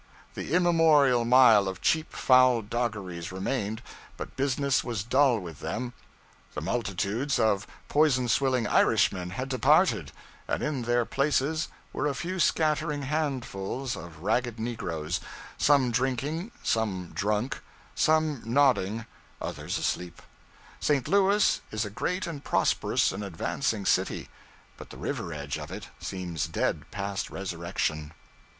The immemorial mile of cheap foul doggeries remained, but business was dull with them; the multitudes of poison swilling Irishmen had departed, and in their places were a few scattering handfuls of ragged negroes, some drinking, some drunk, some nodding, others asleep. St. Louis is a great and prosperous and advancing city; but the river edge of it seems dead past resurrection.